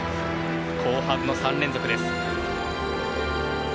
後半の３連続です。